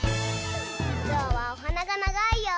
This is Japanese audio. ぞうはおはながながいよ。